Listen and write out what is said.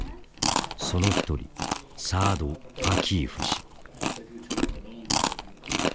その一人サアド・ファキーフ氏。